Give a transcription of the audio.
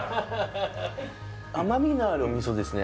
甘みのあるお味噌ですね